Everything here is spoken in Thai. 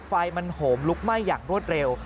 ไฟมันโหมลุกไหม้อย่างรวดเร็ว